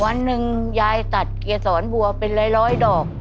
วันหนึ่งยายตัดเกียร์สอนบัวเป็นร้อยดอก